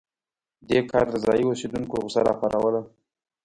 دې کار د ځايي اوسېدونکو غوسه راوپاروله.